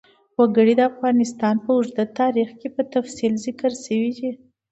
وګړي د افغانستان په اوږده تاریخ کې په تفصیل ذکر شوی دی.